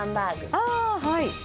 あー、はい。